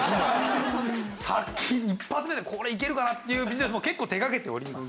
先一発目でこれいけるかなっていうビジネスも結構手掛けております。